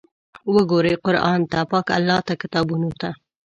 وګورئ قرآن ته، پاک الله ته، کتابونو ته!